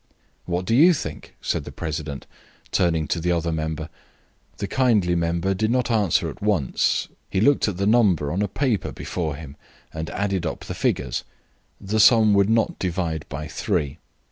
"What do you think?" said the president, turning to the other member. The kindly member did not answer at once. He looked at the number on a paper before him and added up the figures; the sum would not divide by three.